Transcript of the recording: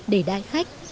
để đại khách